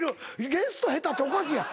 ゲスト下手っておかしいやん。